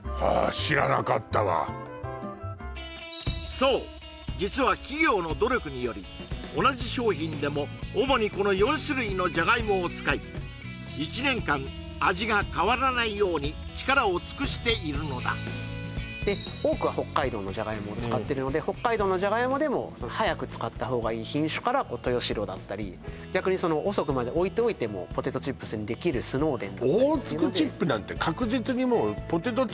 そう実は企業の努力により同じ商品でも主にこの４種類のじゃがいもを使い１年間味が変わらないように力を尽くしているのだで多くは北海道のじゃがいもを使ってるので北海道のじゃがいもでも早く使った方がいい品種からこうトヨシロだったり逆にその遅くまで置いておいてもポテトチップスにできるスノーデンだったりだよなそうだよね